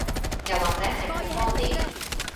又或者係更多年